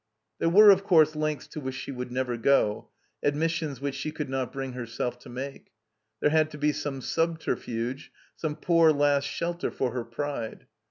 There were, of course, lengths to which she would never go, admissions which she could not bring her self to make. There had to be some subterfuge, some poor last shelter for her pride.